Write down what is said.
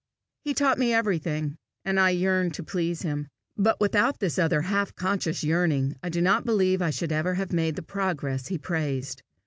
He taught me everything, and I yearned to please him, but without this other half conscious yearning I do not believe I should ever have made the progress he praised.